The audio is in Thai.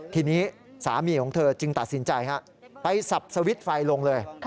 ทีนี้สามีของเธอจึงตัดสินใจไปสับสวิตช์ไฟลงเลย